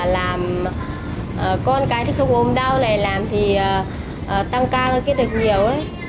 làm con cái không ốm đau này làm thì tăng ca kết được nhiều